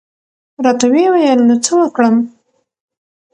را ته وې ویل نو څه وکړم؟